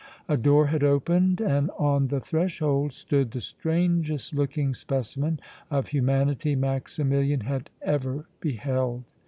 A door had opened and on the threshold stood the strangest looking specimen of humanity Maximilian had ever beheld.